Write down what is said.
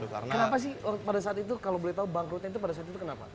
kenapa sih pada saat itu kalau boleh tahu bangkrutnya itu pada saat itu kenapa